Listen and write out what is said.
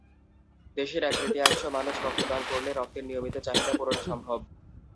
দেশের এক-তৃতীয়াংশ মানুষ রক্ত দান করলে রক্তের নিয়মিত চাহিদা পূরণ সম্ভব।